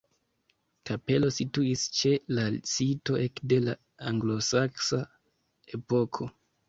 Kapelo situis ĉe la sito ekde la anglosaksa epoko.